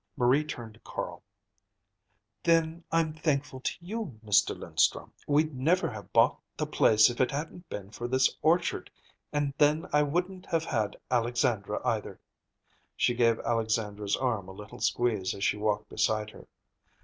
Marie turned to Carl. "Then I'm thankful to you, Mr. Linstrum. We'd never have bought the place if it hadn't been for this orchard, and then I wouldn't have had Alexandra, either." She gave Alexandra's arm a little squeeze as she walked beside her.